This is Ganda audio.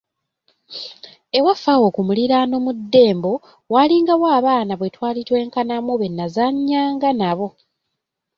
Ewaffe awo ku muliraano mu ddembo, waalingawo abaana bwe twali twenkanamu be nnazannyanga nabo.